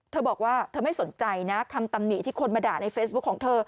เธอบอกว่าเธอไม่สนใจนะคำตำหนิที่คนมาด่าในเฟซบุ๊คของเธอ